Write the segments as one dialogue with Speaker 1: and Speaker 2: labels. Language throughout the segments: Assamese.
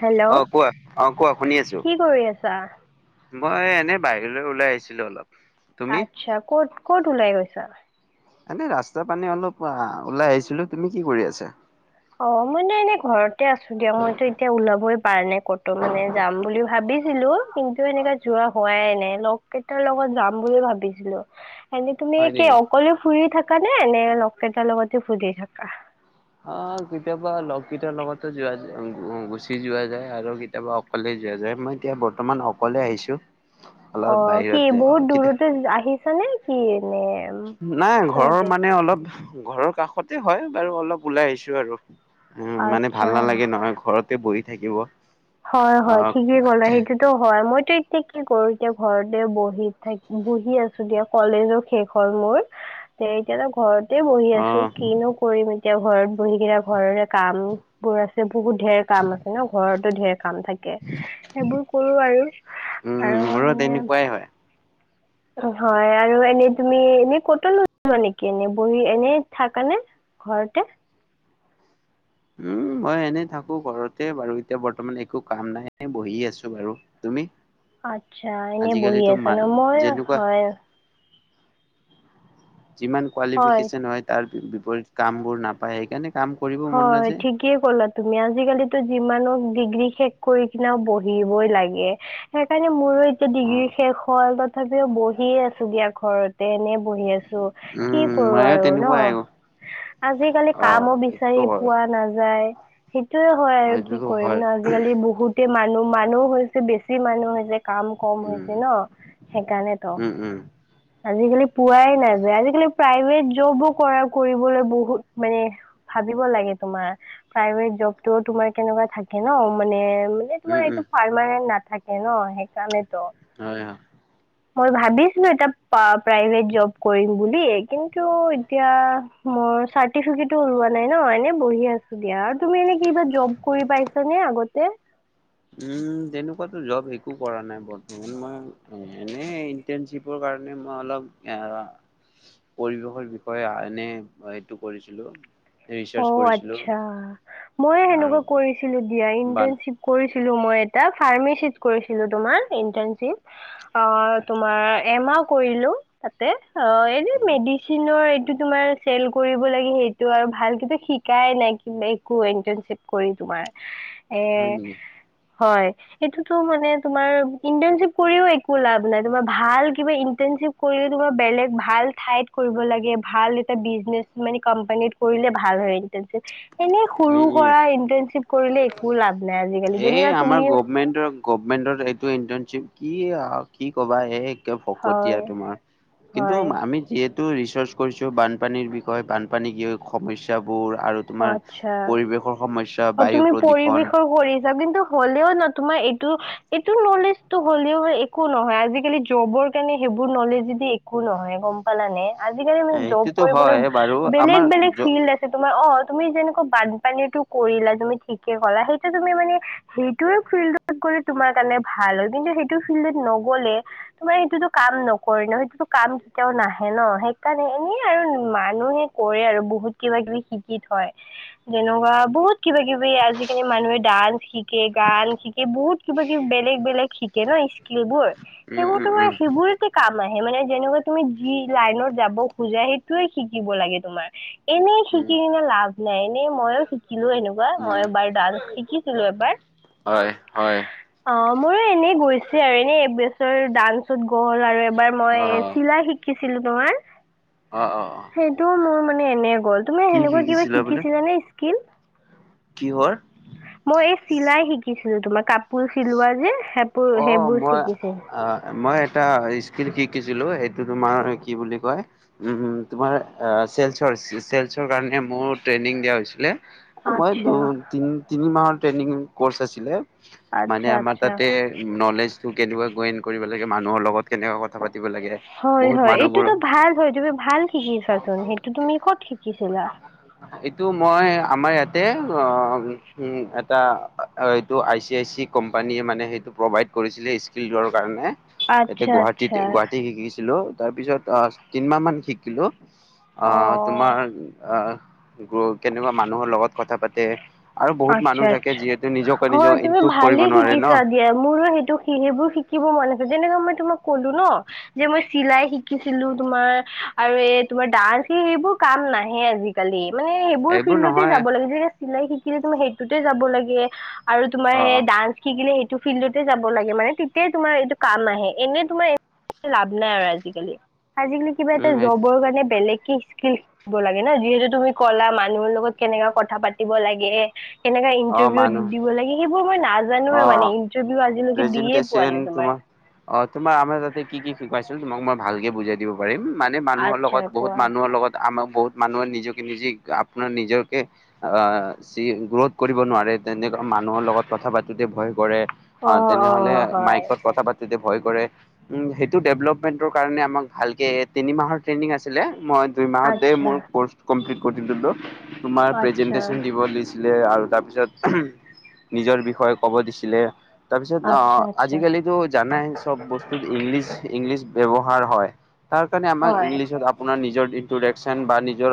Speaker 1: হেল্ল'
Speaker 2: আহ কোৱা অ কোৱা শুনি আছো।
Speaker 1: কি কৰি আছা
Speaker 2: মই এনে বাহিৰলৈ ওলাই আহিছিলো অলপ। তুমি
Speaker 1: আচ্ছা ক'ত ক'ত ওলাই গৈছা?
Speaker 2: এনে ৰাস্তা পানী অলপ ওলাই আহিছিলো তুমি কি কৰি আছা?
Speaker 1: অ মই নো এনেই ঘৰতে আছো দিয়া মইতো এতিয়া ওলাবই। পাৰ নে ক'তো মানে যাম বুলি ভাবিছিলো কিন্তু সেনেকাে যোৱা হোৱাই নাই লগ কেইটাৰ লগত। যাম বুলি ভাবিছিলো। এ তুমি
Speaker 2: হয়
Speaker 1: কি
Speaker 2: নেকি
Speaker 1: অকলে ফুৰি থাকা নে নে লগ এটাৰ লগতে ফুৰি থাকা।
Speaker 2: অ কেতিয়াবা লগকেটাৰ লগতো যোৱা যায় গুচি যোৱা যায় আৰু কেতিয়াবা অকলে যোৱা যায়। মই এতিয়া বৰ্তমান অকলে আহিছো।
Speaker 1: অ
Speaker 2: অলপ
Speaker 1: কি
Speaker 2: বাহিৰতে
Speaker 1: বহুত
Speaker 2: কেতিয়া
Speaker 1: দূৰতে আহিছ নে কি? নে উম,
Speaker 2: নাই ঘৰৰ
Speaker 1: ওচৰতে?
Speaker 2: মানে অলপ ঘৰৰ কাষতে হয় বাৰু অলপ ওলাই আহিছো আৰু। উম মানে ভাল
Speaker 1: আচ্ছা
Speaker 2: নালাগে নহয় ঘৰতে বহি থাকিব।
Speaker 1: হয় হয়
Speaker 2: আহ
Speaker 1: ঠিকেই ক'লা সেইটোতো হয় মই। এতিয়া কি কৰো এতিয়া ঘৰতে বহি থাক বহি আছো দিয়া কলেজৰ শেষ হ'ল মোৰ। তে এতিয়া ত ঘৰত। ততে বহি আছো
Speaker 2: আহ
Speaker 1: কিনো কৰিম এতিয়া ঘৰত বহি কিটা ঘৰৰে কাম বোৰ আছে। বহুত ধেৰ কাম আছে ন ঘৰতো ঢেৰ কাম থাকে সেইবোৰ কৰো আৰু
Speaker 2: উম
Speaker 1: আৰু
Speaker 2: মোৰো
Speaker 1: ম
Speaker 2: তেনেকুৱাই হয়
Speaker 1: হয় আৰু এনেই তুমি এনে কতও নোযোৱা নেকিএনে বহি এনেই থাকা নে। ঘৰতে
Speaker 2: উম মই এনেই থাকো ঘৰতে বাৰু এতিয়া বৰ্তমান একো কাম নাই বহি আছো বাৰু তুমি
Speaker 1: আচ্ছা এনে বহি
Speaker 2: আজিকালিতো
Speaker 1: আছ
Speaker 2: মা
Speaker 1: ন মই
Speaker 2: যেনেকুৱা
Speaker 1: হয়।
Speaker 2: যিমান কোৱালিফিকেশ্যন হয় তাৰ বিপৰীত কাম বোৰ নাপায় সেইকাৰণে কাম কৰিব মন নাযায়।
Speaker 1: ঠিকেইে ক'লা তুমি আজিকালিতো যিমানো ডিগ্ৰী শেষ কৰি কিনে বহিবই লাগে। সেইকাৰণে মোৰ। য়া ডিগ্ৰী
Speaker 2: অ',
Speaker 1: শেষ হ'ল তথাপিও বহিয়ে আছো দিয়া ঘৰতে এনে বহি আছো কি
Speaker 2: উম,
Speaker 1: কৰো
Speaker 2: ময়ো
Speaker 1: আৰু ন?
Speaker 2: তেনেকুৱাই অ',
Speaker 1: আজিকালি কামো বিছ
Speaker 2: এইটোতো হয়
Speaker 1: পোৱা নাযায় সেইটোয়ে হয় আৰু কি
Speaker 2: সেইটোতো
Speaker 1: কৰিম
Speaker 2: হয়
Speaker 1: ন আজিকালি বহুতে মানুহ-মানুহ হৈছে বেছি মানুহ হৈছে। কাম কম
Speaker 2: উম,
Speaker 1: হৈছে ন? সেইকাৰণে তো।
Speaker 2: উম, উম,
Speaker 1: আজিকালি পোৱাই নাযায় আজালি প্ৰাইভেট জবোৰ কৰা কৰিবলৈ বহুত মানে ভাবিব লাগে তোমাৰ প্ৰাইভেট জবতটো তোমাৰ কেনেকুৱা থাকে ন মানে মানে
Speaker 2: উম,
Speaker 1: তোমাৰ
Speaker 2: উম,
Speaker 1: এইটো পাৰ্মেণ্ট নাথাকে ন সেইকাৰণেতো।
Speaker 2: হয়'- হয়'।
Speaker 1: মই ভাবিছিলো এটা প্ৰাইভেট জব কৰিম বুল কিন্তু এতিয়া চাৰ্টিফিকেট নাই ন এনে বহি আছো দিয়া আৰু তুমি এনে কিবা জব কৰি পাইছ নে আগতে?
Speaker 2: উম, তেনেকুৱাতো জব একো কৰা নাই বৰ্তমান মই ইণ্টাৰ্ণশিপপৰ মই অলপ পৰিৱেশৰ বিষয়ে এনে এইটো কৰিছিলো।
Speaker 1: অ',
Speaker 2: ৰিচাৰ্চ কৰিছিলো
Speaker 1: আটছা মই
Speaker 2: আৰু
Speaker 1: সেনেকুৱা কৰিছিলো দিয়া
Speaker 2: বান
Speaker 1: ইণ্টাৰ্ণশিপ কৰি ছিলোঁ মই এটা ফাৰ্মাচীত কৰিছিলোঁ ইণ্টাৰ্নশিপ অ, তোমাৰ এমাহ অ', কৰিলো তাতে। অ', এনে মেডিচিনৰ এইটো তোমাৰ চেল কৰিব লাগে সেইটো আৰু ভাল সেইটো শিকাই নাই কিন্তু একো ইণ্টাৰ্নশ্বিপ কৰি তোমাৰ। এ,
Speaker 2: হয় নেকি?
Speaker 1: হয়। সেইটোটো মানে তোমাৰ ইন্টাৰশিপ কৰিও একো লাভ নাই তোমাৰ ভাল কিবা ইণ্টাৰ্ণশিপ কৰি বেলেগ ভাল ঠাইত কৰিব লাগে। ভাল এটা বিজনেছ মানে কোম্পানীত কৰিলে ভাল হয় ইণ্টাৰ্ণসিপ। এনেই সৰু
Speaker 2: উম
Speaker 1: সুৰা
Speaker 2: উম
Speaker 1: ইন্টাৰণশ্বিপ কৰিলে একো লাভ নাই আজিকালি যেনো তুমিও
Speaker 2: সেইটোৱেটো এইটো ইণ্টাৰ্নছিপ কি আৰু কি কবা এই একে ফকতীয়া
Speaker 1: হয়,
Speaker 2: তোমাৰ কিন্তু
Speaker 1: হয়,
Speaker 2: আমি যিহেত টো ৰিচাৰ্চ কৰিছো বানপানীৰ বিষয়ে বানপানী য সমস্যাবোৰ আৰু
Speaker 1: অ'
Speaker 2: তোমাৰ
Speaker 1: আচ্ছা।
Speaker 2: পৰিৱেশৰ সময়
Speaker 1: অ', তুমি পৰিৱেশৰ কৰি কিন্তু হ'লেও ন তোমাৰ এইটো-এইটো নলেজটো হ'লেও একো নহয় আজিকালি জবৰ কাৰণে সেইবোৰ নলেজ যদি একো নহয় গম পালানে? আজিকালি মানে জব
Speaker 2: সেইটোতো
Speaker 1: কৰিবলৈ
Speaker 2: হয় বাৰু আমাৰ
Speaker 1: বেলেগ-বেলেগ
Speaker 2: য
Speaker 1: ফিল্ড আছে তোমাৰ অ তুমি যেনেকুৱা বানপানীতো কৰিলা তুমি ঠিকে ক'লা সেইটো তুমি মানে সেইটো ফিল্ডত গ'লে তোমাৰ কাৰণে ভাল হয় কিন্তু সেইটো ফিল্ডত নগলে তোমাৰ সেইটো কাম নকৰি ন সেইটোটো কাম কেতিয়াও নাহে ন? সেই এনে আৰু মানুহে কৰে আৰু বহুত কিবা কিবি শিকি থয় যেনেকুৱা বহুত কিবা কিবি আজিকালি মানুহে ডান্স শিকে গান শিকে বহুত কিবা কিবি বেলেগ-বেলেগ শিকে ন স্কিল বোৰ
Speaker 2: উম
Speaker 1: সেইবোৰ
Speaker 2: উম
Speaker 1: তোমাৰ
Speaker 2: উম
Speaker 1: সেইবোৰতে কাম মানে যেনেকুৱা তুমি যি লাইনত যাব খোজা সেইটোয়ে শিকিব লাগে তোমাৰ। এনেই
Speaker 2: উম
Speaker 1: শিকি কিনে লাভ নাই এনেই মইও শিকি শিকিলো এনেকুৱা মই
Speaker 2: উম
Speaker 1: এবাৰ ডান্স শিকিছিলো এবাৰ
Speaker 2: হয় হয়
Speaker 1: অ', মোৰো এনেই গৈছে আৰু এনে এবিছৰ ডান্সত গ হ'ল আৰু এবাৰ মই
Speaker 2: অ
Speaker 1: চিলাই শিকিছো। [unintelligible]
Speaker 2: অ অ অ
Speaker 1: সেইটো মোৰ মানে এনে তুমি
Speaker 2: কি
Speaker 1: হেনেকোৱা কিবা
Speaker 2: বোলে?
Speaker 1: শিকিছিলা নে স্কিল?
Speaker 2: কিহৰ?
Speaker 1: মই এই চিলাই শিকিছিলো তোমাৰ কাপোৰ চিলোৱা যে। সেইবোৰ
Speaker 2: অ',
Speaker 1: সেইবোৰ
Speaker 2: মই
Speaker 1: শিকিছিলো
Speaker 2: অ, মই এটা স্কিল শিকিছিলো তোমাৰ কি বুলি কয় উম, তোমাৰ চেলচৰ, চেলচৰ কাৰণে মোৰ ট্ৰেইনিং দিয়া হৈছিলে মই দু
Speaker 1: আচ্ছা
Speaker 2: তি তিনি মাহৰ ট্ৰেইনিং কৰ্চ আছিলে। মানে
Speaker 1: আচ্ছা
Speaker 2: আমাৰ
Speaker 1: আচ্ছা
Speaker 2: তাতে নলেজটো কেনেকুৱা গেইন কৰিব লাগে মানুহৰ লগত কেনেকুৱা কথা পাতিব লাগে
Speaker 1: হয়
Speaker 2: বহুত
Speaker 1: হয়
Speaker 2: মানুহবোৰ
Speaker 1: এইটোতো ভাল হয় তুমি ভাল শিকিছাচোন সেইটো তুমি কত শিকিছিল
Speaker 2: এইটো মই আমাৰ ইয়াত তে অ উ এটা এইটো আই চি আই চি কোম্পানীয়ে মানে সেইটো প্ৰভাইড কৰিছিলে স্কিল দৰ কাৰণে ইয়াতে
Speaker 1: আচ্ছা
Speaker 2: গুৱাহাটীত
Speaker 1: আচ্ছা
Speaker 2: গুৱাহাটী শিকিছিলো। তাৰ পিছত আহ তিনমাহ মান শিকিলো আহ
Speaker 1: অ
Speaker 2: তোমাৰ আহ গ কেনেকুৱা মানুহৰ লগত কথা পাতে আৰু বহুত মানুহ
Speaker 1: আচ্ছা
Speaker 2: থাকে
Speaker 1: আচ্ছা
Speaker 2: যিহেতু নিজকে নিজক
Speaker 1: হয় তুমি
Speaker 2: ইমপ্ৰুভ কৰিব
Speaker 1: ভালেই
Speaker 2: নোৱাৰে ন
Speaker 1: শিকিছা দিয়া মোৰো সেই টো স সেইবোৰ শিকিব মন আছে তেনে মই তোমাক কলো ন যে মই চিলাই শিকিছিলো তোমাৰ আৰু এ তোমাৰ ডান্স সেইবোৰ কাম নাহে আজিকালি। মানে সেইবোৰ
Speaker 2: এইবোৰ
Speaker 1: ফিল্ডতে
Speaker 2: নহয়
Speaker 1: যাব লাগে যে চিলাই শিকিলে তুম সেইটোতে যাব লাগে। আৰু তোমাৰ
Speaker 2: অ
Speaker 1: সেই
Speaker 2: অ
Speaker 1: ডান্স শিকিলে সে এইটো ফিল্ডতে যাব লাগে । মানে, তেতিয়াই তোমাৰ এইটো কাম আহে, এনেই তোমাৰ লাভ নাই আৰু আজি-কালি, আজি-কালি কিবা এটা
Speaker 2: উম সেইটো
Speaker 1: জ্ববৰ কাৰণে বেলেগ কি, স্কিল শিকিব লাগে না । যিহেতু তুমি ক'লা, মানুহৰ লগত কেনেকা কথা পাতিব লাগে । কেনেকা
Speaker 2: অ
Speaker 1: ইণ্টাৰভিউ
Speaker 2: মানুহ
Speaker 1: দিব লাগে সেইবোৰ মই নাজানোৱে মানে, ইণ্টাৰভিউ
Speaker 2: প্ৰেজেণ্টেচন, তোমাক অ, তোমাৰ, আমাৰ তাতে কি কি শিকাইছিল মোক মই ভালকে বুজাই দিব পাৰিম ।মানে, মানুহৰ
Speaker 1: আচ্ছা
Speaker 2: লগত, বহুত
Speaker 1: কোৱা
Speaker 2: মানুহৰ লগত, আমাৰ বহুত মানুহে নিজকে নিজে কাম আপোনাৰ নিজকে অঁ, সি গ্ৰৌথ কৰিব নোৱাৰে । তেনেকে মানুহৰ লগত কথা পাতোটে ভয় কৰে। আ
Speaker 1: অ অ
Speaker 2: তেনেহ'লে
Speaker 1: হয়
Speaker 2: মাইকত কথা পাতি তোটে ভয় কৰে । উম, সেইটো ডেভল্পমেণ্টৰ কাৰণে আমাক ভালকে তিনিমাহৰ ট্ৰেইনিং আছিলে। মই দুই মাহটে
Speaker 1: আচ্ছা
Speaker 2: মোৰ কৰ্চ কমপ্লিট কৰি দিছিলো । তোমাৰ
Speaker 1: আচ্ছা
Speaker 2: প্ৰেজেন্টেচন দিব দিছিলে আৰু তাৰ প্‌ পিছত নিজৰ বিষয়ে ক'ব দিছিলে । তাৰপিছত
Speaker 1: আচ্ছা
Speaker 2: আঁ,
Speaker 1: আচ্ছা
Speaker 2: আজি-কালিটো জানাই, চব বস্তুত ইংলিছ, ইংলিছ ব্যৱ হাৰ হ'য় । তাৰ কাৰণে আমাক
Speaker 1: হয়
Speaker 2: ইংলিছত আপোনাৰ নিজৰ ইণ্ট্ৰডাকশ্যন বা নিজৰ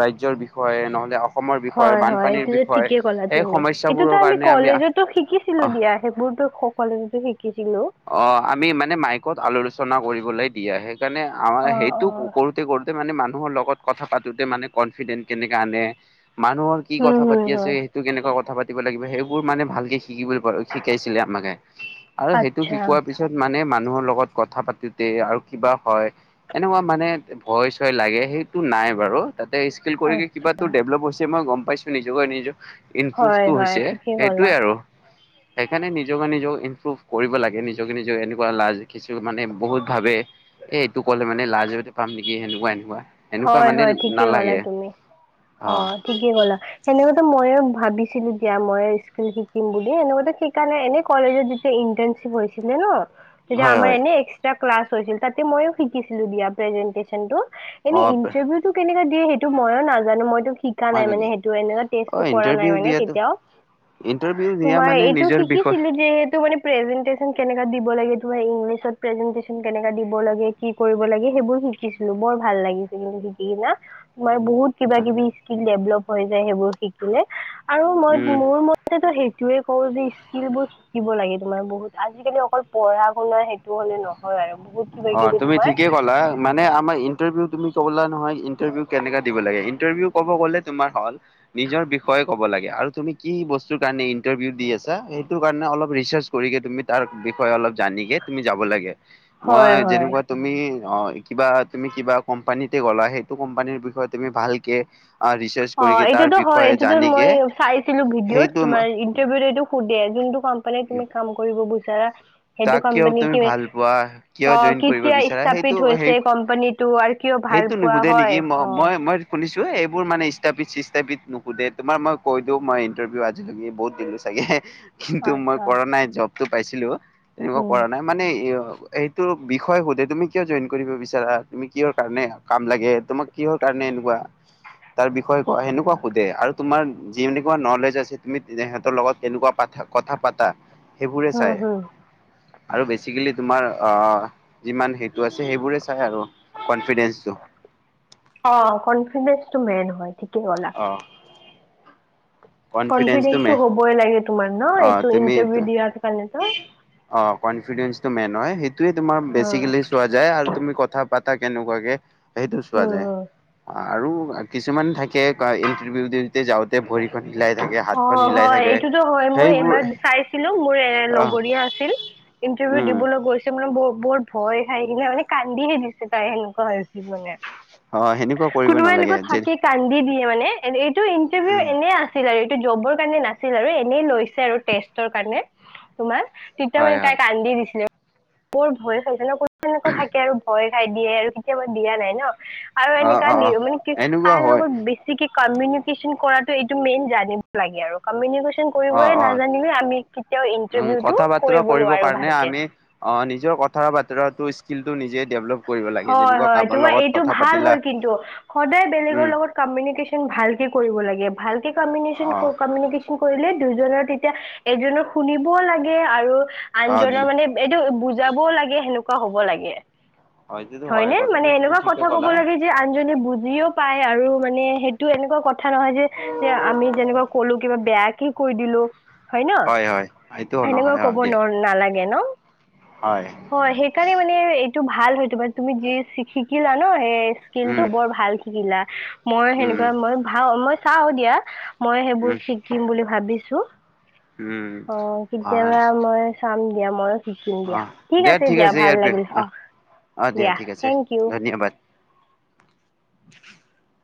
Speaker 2: ৰাজ্যৰ বিষয়ে নহ'লে অস্‌-
Speaker 1: হ'য়, হ'য় এইতোটো ঠিকে ক'লা
Speaker 2: এই
Speaker 1: তুমি। সেইতোটো
Speaker 2: সমস্যাবোৰৰ
Speaker 1: আমি
Speaker 2: কাৰণে
Speaker 1: কলেজতো শিকিছিলো
Speaker 2: অ
Speaker 1: দিয়া। সেইবোৰটো সকলোৱে যে শিক্‌
Speaker 2: অঁ, আমি মানে, মাইকত আলোৰচনা কৰিবলৈ দি আহে। সেইকাৰণে আমাৰ
Speaker 1: অ অ
Speaker 2: সেইটো কৰোতে, কৰোতে মানে, মান্‌ মানুহৰ লগত কথা পাতোটে, মানে, কন্‌ফিডেণ্ট কেনেকে আনে মানুহৰ কি
Speaker 1: উম
Speaker 2: কথা
Speaker 1: হম
Speaker 2: পাতি আছে,
Speaker 1: হম
Speaker 2: সেইটো কেনেকুৱা কথা পাতিব লাগিব। সেইবোৰ মানে ভালকে শিক্‌ শিকিবলৈ পাৰো। শিকাইছিলে আমাকে আৰু সেইটো
Speaker 1: আচ্ছা
Speaker 2: শিকোৱাৰ পিছত মানে মানুহৰ লগত কথা পাতোটে আৰু কিবা হ'য়। এনেকুৱা মানে ভয় -চয় লাগে। সেইটো নাই বাৰু । তাতে স্কিল কৰিকে
Speaker 1: আ-
Speaker 2: কিবাটো ডেভল্প হৈছে, মই গম পাইছোঁ । নিজকে নিজক
Speaker 1: হয়
Speaker 2: ইনপ্ৰুভটো
Speaker 1: হয়
Speaker 2: হৈছে।
Speaker 1: ঠিকেই ক'লা
Speaker 2: সেইটোৱে আৰু সেইকাৰণে নিজকে নিজক ইনপ্ৰুভ কৰিব লাগে। নিজকে নিজে এনেকুৱা লাজ, কিছুমানে বহুত ভাৱে, এ এইটো ক'লে মানে লাজে সৈতে পাম নিকি সেনেকুৱা, এনেকুৱা। এনেকুৱা
Speaker 1: হ'য়,
Speaker 2: মানে
Speaker 1: হ'য় ঠিকে ক'লা
Speaker 2: নালাগে
Speaker 1: তুমি ।
Speaker 2: অ
Speaker 1: অঁ ঠিকে ক'লা । সেনেকুৱা মইয়ো ভাবিছিলো দিয়া, মই স্কিল শিকিম বুলি। এনেকুৱাটোত শিকা নাই ।এনেই কলেজত যেত্‌ তে ইণ্টান্তচিপ হৈছিলে ন' । তেতিয়া
Speaker 2: হয় হয়
Speaker 1: এনেই এক্সট্ৰা ক্লাছ হৈছিল ।তাতে মইয়ো শিকিছিলো দিয়া প্ৰেজেণ্টেচনটো। এনেই
Speaker 2: অ
Speaker 1: ইণ্টাৰভিউটো কনেকা দিয়ে সেইটো মইয়ো নাজানো। মইতো শিকা নাই
Speaker 2: হয়
Speaker 1: মানে,
Speaker 2: নেকি
Speaker 1: সেইটো এনেকা
Speaker 2: অ
Speaker 1: টেষ্টটো কৰা নাই
Speaker 2: ইণ্টাৰভিউ
Speaker 1: মানে,
Speaker 2: দিয়াতো
Speaker 1: কেতিয়াও ।
Speaker 2: ইণ্টাৰভিউ দিয়া
Speaker 1: তোমাৰ
Speaker 2: মানে
Speaker 1: এইটো
Speaker 2: নিজৰ বিষয়
Speaker 1: শিকিছিলি যে এইটো মানে, প্ৰেজেণ্টেচন কেনেকা দিব লাগে। তোমাৰ ইংলিছত প্ৰেজেণ্টেচন কেনেকা দিব লাগে? কি কৰিব লাগে? সেইবোৰ শিকিছিলো বৰ ভাল লাগিছিল সেনেকে দি ন'? তোমাৰ বহুত কিবাকিবি স্কিল ডেভল্প হৈ যায় সেইবোৰ শিকিলে আৰু মই,
Speaker 2: উম
Speaker 1: মোৰ মতেটো সেই টোৱে কওঁ যে স্কিলবোৰ শিকিব লাগে । তোমাৰ বহুত আজি-কালি অকল পঢ়া- শুনা সেইটো হ'লে নহয় আৰু। বহুত কিবা
Speaker 2: অ
Speaker 1: কিবি
Speaker 2: তুমি
Speaker 1: তোমাৰ
Speaker 2: ঠিকেই ক'লা মানে, আমাৰ ইণ্টাৰভিউ তুমি ক'লা নহয় ইন্টাৰভিউ কেনেকা দিব লাগে ইন্টাৰভিউ ক'ব গ'লে তোমাৰ হ'ল -নিজৰ বিষয়ে ক'ব লাগে লাগে আৰু তুমি কি বস্তুৰ কাৰণে ইণ্টাৰভিউ দি আছা? সেইটো কাৰণে অলপ ৰিচাৰ্চ কৰিকে তুমি তাৰ বিষয়ে অলপ জানিকে তুমি যাব লাগে। মই
Speaker 1: হয় হয়
Speaker 2: যেনেকোৱা তুমি অ, কিবা তুমি কিবা কোম্পানীতে গলা, সেইটো কোম্পানীৰ বিষয়ে তুমি ভালকে আ ৰিচাৰ্চ
Speaker 1: অ,
Speaker 2: কৰিকে তাৰ
Speaker 1: এইটোতো হয় ।
Speaker 2: বিষয়ে
Speaker 1: এইটোতো মই
Speaker 2: জানিকে
Speaker 1: চাইছিলো ভিডিঅ'ত
Speaker 2: সেইটো
Speaker 1: তোমাৰ ইন্টাৰভিউত এইটো সুধে । যোনটো কম্পানীত তুমি কাম কৰিব বিচাৰা সেইটো
Speaker 2: তাক কিয়
Speaker 1: কোম্পানীত তুমি,
Speaker 2: ভাল পোৱা কিয় জইন কৰিব
Speaker 1: অ-কেতিয়া
Speaker 2: বিচাৰা
Speaker 1: স্থাপিত
Speaker 2: সেইটো সেই
Speaker 1: হৈছে কম্পানীটো আৰু কি
Speaker 2: সেইটো নুশুধে নেকি? ম মই, মই শুনিছোঁ এইবোৰ মানে ইস স্থাপিত-চিস্থাপিত নুুসুধে তোমাৰ মই কৈ দিওঁ, মই ইণ্টাৰভিউ আজিলৈকে বহুত দিনো চাগে কিন্তু মই
Speaker 1: আচ্ছা
Speaker 2: কৰা নাই জবটো পাইছিলো এনেকোৱা
Speaker 1: উম
Speaker 2: কৰা নাই মানে এই অ এইটো বিষয় সোধে, তুমি কিয় জইন কৰিব বিচাৰা? তুমি কিহৰ কাৰণে কাম লাগে? তোমাক কিহৰ কাৰণে নে এনেকোৱা? তাৰ বিষয়ে ক' সেনেকোৱা সোধে আৰু তোমাৰ যেনেকোৱা নলেজ আছে, তুমি তেহঁতৰ লগত তেনেকোৱা পাতা কথা পাতা সেইবোৰে
Speaker 1: হম
Speaker 2: চাই।
Speaker 1: হম
Speaker 2: আৰু বেচিকেলি তোমাৰ অ যিমান সেইটো আছে সেইবোৰে চাই আৰু কনভি
Speaker 1: অ কনফিডেন্সটো মেইন হয় ঠিকেই ক'লা।
Speaker 2: অ
Speaker 1: কনফিডেন্সটো হবই লাগে তোমাৰ ন
Speaker 2: অ
Speaker 1: এইটো
Speaker 2: তুমি
Speaker 1: ইণ্টাৰভিউ দিয়াৰ কাৰণেতো।
Speaker 2: অ কনফিডেন্সটো মেইন হ'য় সেইটোৱেই তোমাৰ
Speaker 1: উম
Speaker 2: বেচিকেলি চোৱা যায় আৰু তুমি কথা পাতা কেনেকোৱাকে সেইটো চোৱা
Speaker 1: হম
Speaker 2: যায়
Speaker 1: হম
Speaker 2: আৰু কিছুমান থাকে ইণ্টাৰভিউ যাওতে ভৰি সিলাই থাকে
Speaker 1: অ
Speaker 2: হাতখন হিলাই
Speaker 1: হয়
Speaker 2: থাকে।
Speaker 1: এইটোতো হয় মই
Speaker 2: সেইবোৰ
Speaker 1: এবাৰ চাইছিলোঁ মোৰ
Speaker 2: আহ
Speaker 1: লগৰীয়া আছিল ইণ্টাৰভিউ
Speaker 2: উম
Speaker 1: দিবলৈ গৈছে মানে বহুত বৰ ভয় খাই কিনে মানে কান্দিয়ে দিছে তাই সেনেকোৱা হৈছিল মানে।
Speaker 2: অ সেনেকুৱা কৰিব
Speaker 1: কোনোবা
Speaker 2: নালাগে
Speaker 1: এনেকোৱা
Speaker 2: যে
Speaker 1: থাকে কান্দি দিয়ে মানে। এইটো ইণ্টাৰভিউ
Speaker 2: উম
Speaker 1: এনেই আছিল আৰু জবৰ কাৰণে নাছিল আৰু এনেই লৈছে আৰু টেষ্টৰ কাৰণে তোমাৰ। তেতিয়া
Speaker 2: হয়
Speaker 1: মানে
Speaker 2: হয়
Speaker 1: তাই কান্দি দিছিলে। বৰ ভয় খাইছে ন তেনেকোৱা থাকে আৰু ভয় খাই দিয়ে আৰু কেতিয়াবা দিয়া নাই ন। আৰু
Speaker 2: অ
Speaker 1: এনেকা
Speaker 2: অ অ
Speaker 1: মানে কি
Speaker 2: এনেকুৱা
Speaker 1: কাৰ
Speaker 2: হয়
Speaker 1: লগত বেছিকে কমিউনিকেশ্যন কৰাত এইটো মেইন জানিব লাগে আৰু কমিউনিকেচন
Speaker 2: অ
Speaker 1: কৰিবই
Speaker 2: অ
Speaker 1: নাজানিলে আমি কেতিয়াও
Speaker 2: উম
Speaker 1: ইন্টাৰভিউটো
Speaker 2: কথা বতৰা
Speaker 1: কৰিব
Speaker 2: কৰিবৰ
Speaker 1: নোৱাৰোঁ
Speaker 2: কাৰণে
Speaker 1: ভালকে
Speaker 2: আমি অ নিজৰ কথা বতৰাটো স্কিলটো নিজে ডেভেলপ
Speaker 1: হয় হয় তোমাৰ এইটো ভাল হল কিন্তু সদায় বেলেগৰ
Speaker 2: উম
Speaker 1: লগত কমিউনিকেশ্যন ভালকে কৰিব লাগে ভালকে কমনিচেন
Speaker 2: অ'
Speaker 1: কমিউনিকেচন কৰিলে দুজনৰ তেতিয়া এজনৰ শুনিবও লাগে আৰু
Speaker 2: অ'
Speaker 1: আনজনৰ মানে এইটো বোজি যাবও লাগে সেনেকোৱা হ'ব লাগে।
Speaker 2: এইটোতো
Speaker 1: হয় নে
Speaker 2: কথাটো
Speaker 1: মানে
Speaker 2: তুমি
Speaker 1: এনেকোৱা
Speaker 2: ঠিকে
Speaker 1: কথা ক'ব
Speaker 2: ক'লা।
Speaker 1: লাগে যে আন জনে বুজিও পায় আৰু মানে সেইটো এনেকোৱা কথা নহয় যে যে আমি যেনেকোৱা কলো কিবা বেয়া কে কৈ দিলো হয় ন
Speaker 2: হয় এইটো
Speaker 1: সেনেকোৱা
Speaker 2: নহয়
Speaker 1: কব
Speaker 2: অ' দিয়া
Speaker 1: নালাগে ন। হয় সেইকাৰণে মানে এই ইটো ভাল হয় তোমাৰ মানে তুমি যি শিকিলা ন সেই স্কিলটো
Speaker 2: উম
Speaker 1: বৰ ভাল শিকিলা। মই
Speaker 2: উম উম
Speaker 1: সেনেকোৱা মই ভাও মই চাওঁ দিয়া মই সেইবোৰ
Speaker 2: উম
Speaker 1: শিকিম বুলি ভাবিছোঁ।
Speaker 2: উম
Speaker 1: অ
Speaker 2: অ'
Speaker 1: কেতিয়াবা মই চাম দিয়া মই শিকিম দিয়া ঠিক আছে দিয়া ভাল লাগিল অ।
Speaker 2: অ'
Speaker 1: দিয়া
Speaker 2: ঠিক আছে
Speaker 1: থেংকইউ।
Speaker 2: ধন্যবাদ। [unintelligible]